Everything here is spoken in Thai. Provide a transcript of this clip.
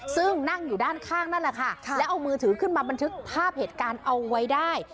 ซึ่งนั่งอยู่ด้านข้างนั่นแหละค่ะแล้วเอามือถือขึ้นมาบันทึกภาพเหตุการณ์เอาไว้ได้